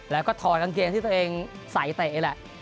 แล้วก็ถอดกางเกงที่ตัวเองใส่เตะนี่แหละ